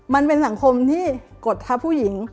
มันเป็นสังคมที่กดทับผู้หญิง